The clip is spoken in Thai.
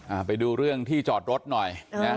อ่าไปดูเรื่องที่จอดรถหน่อยอ๋อ